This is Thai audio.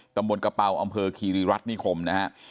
ตำบลกระเป๋าอำเภอคีรีรัฐนิคมนะฮะ